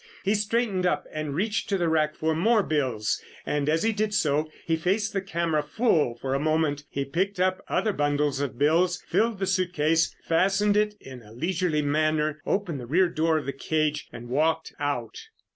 He straightened up and reached to the rack for more bills, and as he did so he faced the camera full for a moment. He picked up other bundles of bills, filled the suitcase, fastened it in a leisurely manner, opened the rear door of the cage and walked out.